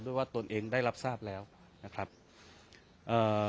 ว่าตนเองได้รับทราบแล้วนะครับเอ่อ